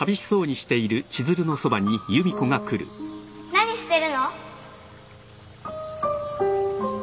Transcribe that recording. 何してるの？